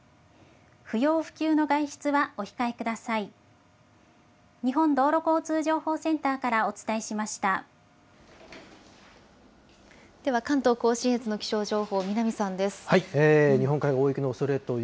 不要不急の外出はお控えください。